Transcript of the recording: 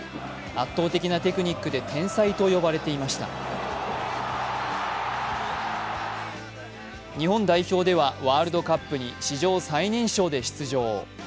圧倒的なテクニックで天才と呼ばれていました日本代表ではワールドカップに史上最年少で出場。